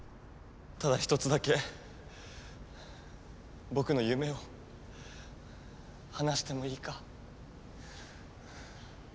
ただひとつだけぼくのゆめを話してもいいか？